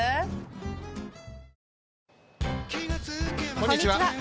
こんにちは。